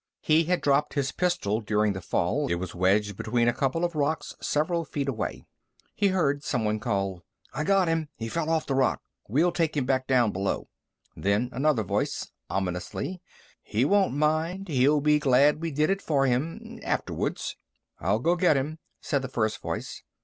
He had dropped his pistol during the fall; it was wedged between a couple of rocks several feet away. He heard someone call: "I got him. He fell off the rock. We'll take him back down below." Then another voice ominously. "He won't mind. He'll be glad we did it for him afterwards." "I'll go get him," said the first voice.